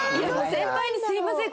先輩に「すみません。